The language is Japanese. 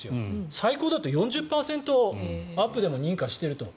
最高だと４０％アップでも認可していると。